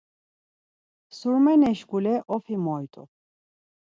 Surmene şuǩule Ofi moyt̆u.